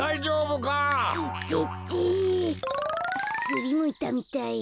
すりむいたみたい。